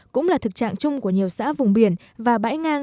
cũng là thực trạng chung của nhiều xã vùng biển và bãi ngang